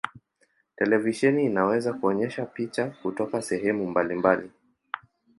Televisheni inaweza kuonyesha picha kutoka sehemu mbalimbali.